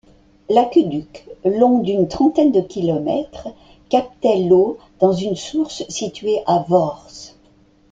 L'aqueduc, long d'une trentaine de km, captait l'eau dans une source située à Vors.